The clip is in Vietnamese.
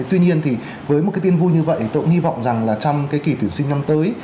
tuy nhiên thì với một cái tin vui như vậy tôi cũng hy vọng rằng là trong cái kỳ tuyển sinh năm tới